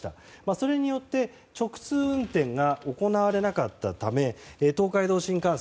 それによって直通運転が行われなかったため東海道新幹線